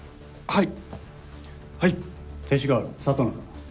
はい！